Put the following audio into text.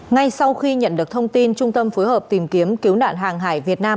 ngay sau khi nhận được thông tin trung tâm phối hợp tìm kiếm cứu nạn hàng hải việt nam